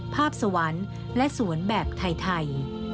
ภาพสวรรค์และสวนแบบไทย